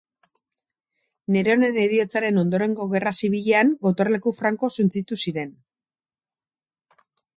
Neronen heriotzaren ondorengo gerra zibilean gotorleku franko suntsitu ziren.